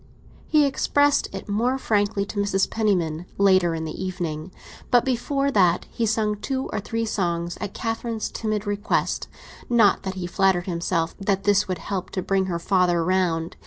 He expressed it more frankly to Mrs. Penniman later in the evening. But before that he sang two or three songs at Catherine's timid request; not that he flattered himself that this would help to bring her father round.